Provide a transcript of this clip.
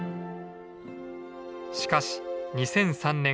しかし２００３年。